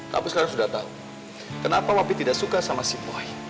kamu sekarang sudah tahu kenapa papi tidak suka sama si boy